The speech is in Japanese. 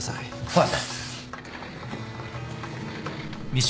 はい。